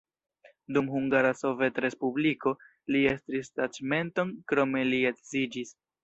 Dum Hungara Sovetrespubliko li estris taĉmenton, krome li edziĝis.